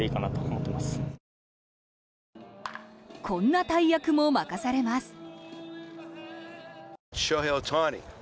こんな大役も任されます。